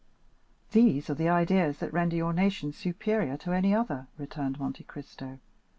"These are the ideas that render your nation superior to any other," returned Monte Cristo.